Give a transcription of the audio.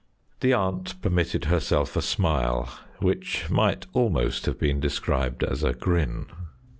The aunt permitted herself a smile, which might almost have been described as a grin.